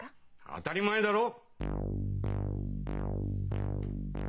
当たり前だろ！